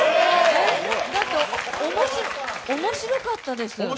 だって面白かったです。